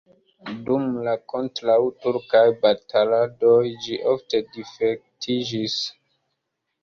Dum la kontraŭturkaj bataladoj ĝi ofte difektiĝis.